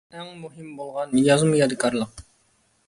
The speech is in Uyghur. ئەڭ مۇھىم بولغان يازما يادىكارلىق.